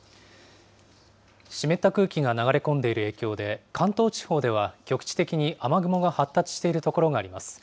湿った空気が流れ込んでいる影響で、関東地方では局地的に雨雲が発達している所があります。